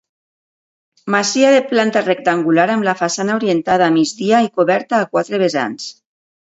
Masia de planta rectangular amb la façana orientada a migdia i coberta a quatre vessants.